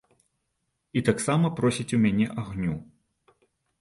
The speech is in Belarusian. І таксама просіць у мяне агню.